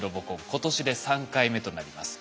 今年で３回目となります。